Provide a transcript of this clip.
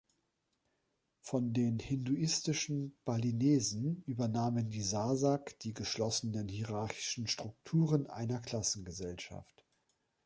Von den hinduistischen Balinesen übernahmen die Sasak die geschlossenen hierarchischen Strukturen einer Klassengesellschaft.